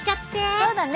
そうだね。